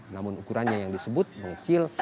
namun ukurannya yang disebut mengecil